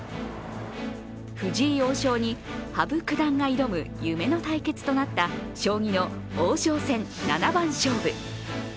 藤井王将に羽生九段が挑む夢の対決となった将棋の王将戦七番勝負。